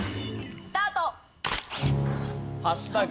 スタート！